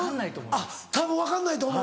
あったぶん分かんないと思う。